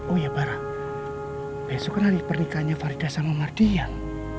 oh ya barah besok kan hari pernikahannya farida sama mardian